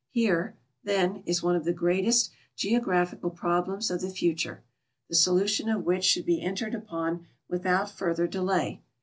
Here, then, is one of the greatest geographical problems of the future, the solution of which should be entered upon without further delay.